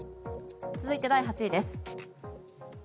続いて、第８位です。